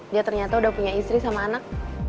dia ternyata udah punya istri sama anak